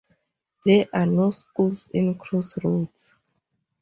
There are no schools in Crossroads.